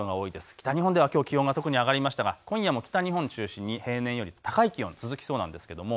北日本では気温が特に上がりましたが今夜も北日本を中心に平年より高い気温が続きそうです。